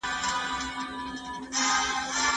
ځینې استادان د کره کتني او څيړني ترمنځ توپیر نه سي کولای.